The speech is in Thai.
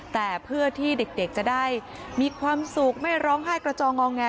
แต่เพื่อที่เด็กจะได้มีความสุขไม่ร้องไห้กระจองงอแง